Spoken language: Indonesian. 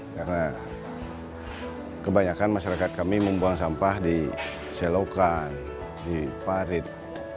karena kebanyakan masyarakat kami membuang sampah di selokan di parit